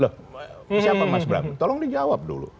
loh siapa mas bram tolong dijawab dulu